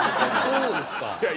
そうですか。